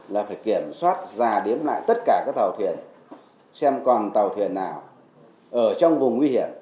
là phải kiểm soát già điếm lại tất cả các tàu thuyền xem còn tàu thuyền nào ở trong vùng nguy hiểm